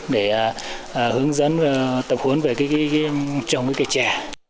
để hướng dân tập huấn về cái trồng cái cây trè